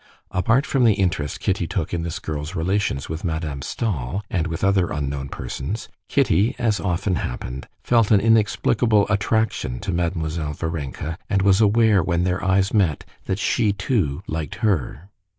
Apart from the interest Kitty took in this girl's relations with Madame Stahl and with other unknown persons, Kitty, as often happened, felt an inexplicable attraction to Mademoiselle Varenka, and was aware when their eyes met that she too liked her.